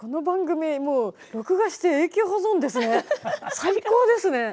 最高ですね。